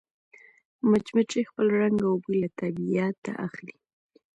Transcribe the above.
مچمچۍ خپل رنګ او بوی له طبیعته اخلي